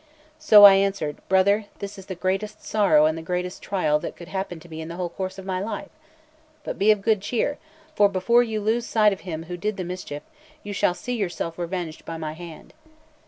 So I answered: "Brother, this is the greatest sorrow and the greatest trial that could happen to me in the whole course of my life. But be of good cheer; for before you lose sight of him who did the mischief, you shall see yourself revenged by my hand.